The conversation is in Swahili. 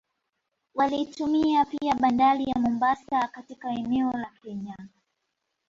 Waliitumia pia Bandari ya Mombasa katika eneo la Kenya